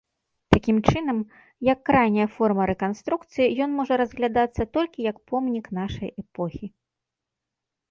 Такім чынам, як крайняя форма рэканструкцыі ён можа разглядацца толькі як помнік нашай эпохі.